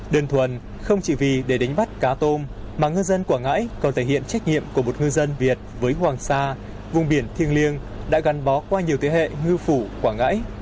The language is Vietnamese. đơn thuần không chỉ vì để đánh bắt cá tôm mà ngư dân quảng ngãi còn thể hiện trách nhiệm của một ngư dân việt với hoàng sa vùng biển thiêng liêng đã gắn bó qua nhiều thế hệ ngư phủ quảng ngãi